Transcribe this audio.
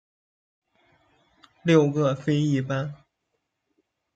六各飞一班。